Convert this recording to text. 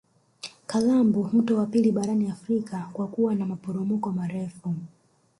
kalambo mto wa pili barani afrika kwa kuwa na maporomoko marefu